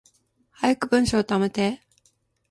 早く文章溜めて